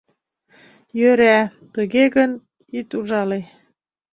— Йӧра, тыге гын, ит ужале.